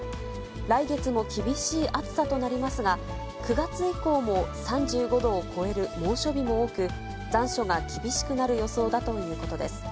来月も厳しい暑さとなりますが、９月以降も３５度を超える猛暑日も多く、残暑が厳しくなる予想だということです。